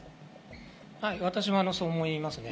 私もそう思います。